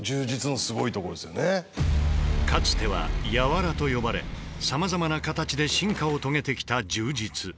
かつては柔と呼ばれさまざまな形で進化を遂げてきた柔術。